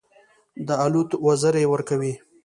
د الوت وزرې ورکوي.